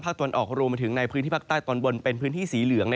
ตอนออกรวมไปถึงในพื้นที่ภาคใต้ตอนบนเป็นพื้นที่สีเหลือง